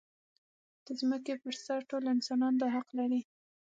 د ځمکې پر سر ټول انسانان دا حق لري.